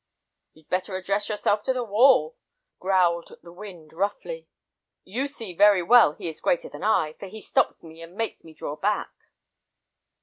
"You'd better address yourself to the wall," growled the wind roughly. "You see very well he is greater than I, for he stops me and makes me draw back."